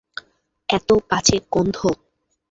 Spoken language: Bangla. এতো বাজে গন্ধ।